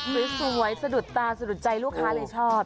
สวยสะดุดตาสะดุดใจลูกค้าเลยชอบ